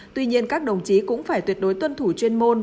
tuy nhiên các đồng chí cũng phải tuyệt đối tuân thủ chuyên môn